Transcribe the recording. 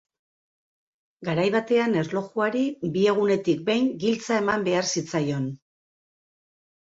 Garai batean erlojuari bi egunetik behin giltza eman behar zitzaion.